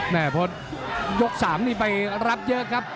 เพราะยก๓นี่ไปรับเยอะครับ